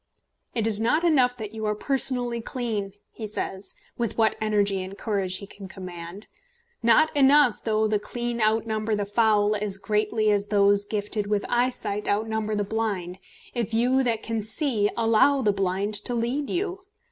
"It is not enough that you are personally clean," he says, with what energy and courage he can command, "not enough though the clean outnumber the foul as greatly as those gifted with eyesight outnumber the blind, if you that can see allow the blind to lead you.